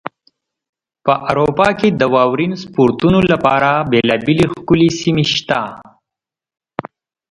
په اروپا کې د واورین سپورتونو لپاره بېلابېلې ښکلې سیمې شته.